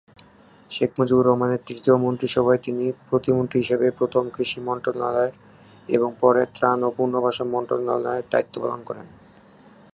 শেখ মুজিবুর রহমানের তৃতীয় মন্ত্রিসভায় তিনি প্রতিমন্ত্রী হিসেবে প্রথমে কৃষি মন্ত্রণালয়ের এবং পরে ত্রাণ ও পুনর্বাসন মন্ত্রণালয়ে দায়িত্ব পালন করেন।